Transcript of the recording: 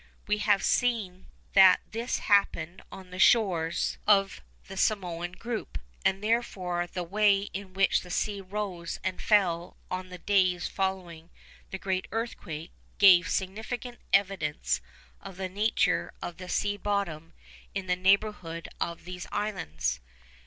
We have seen that this happened on the shores of the Samoan group, and therefore the way in which the sea rose and fell on the days following the great earthquake gave significant evidence of the nature of the sea bottom in the neighbourhood of these islands.